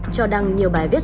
cho đăng nhiều bài viết